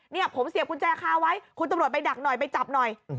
เนี่ยผมเสียบกุญแจคาไว้คุณตำรวจไปดักหน่อยไปจับหน่อย